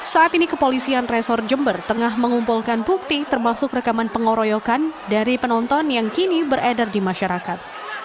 saat ini kepolisian resor jember tengah mengumpulkan bukti termasuk rekaman pengoroyokan dari penonton yang kini beredar di masyarakat